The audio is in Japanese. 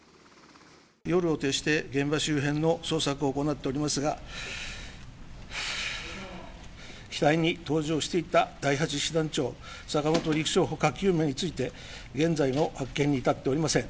夜を徹して現場周辺の捜索を行っておりますが、機体に搭乗していた第８師団長、坂本陸将ほか９名について、現在も発見に至っておりません。